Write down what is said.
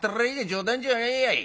冗談じゃねえやい。